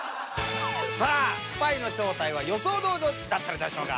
さあスパイの正体は予想どおどだったでしょうか？